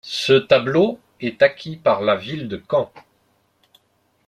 Ce tableau est acquis par la ville de Caen.